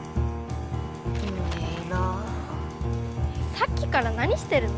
さっきから何してるの？